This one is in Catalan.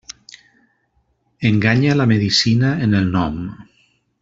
Enganya la medicina en el nom.